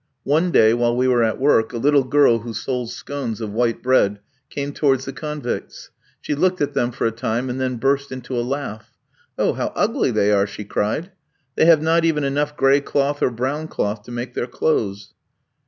One day while we were at work, a little girl who sold scones of white bread came towards the convicts. She looked at them for a time and then burst into a laugh. "Oh, how ugly they are!" she cried; "they have not even enough gray cloth or brown cloth to make their clothes."